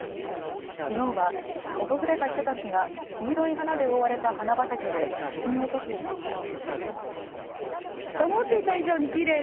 きのうは訪れた人たちが黄色い花で覆われた花畑で写真を撮っていました。